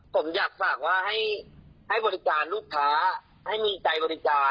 ผมอยากฝากว่าให้บริการลูกค้าให้มีใจบริการ